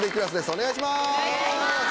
お願いします！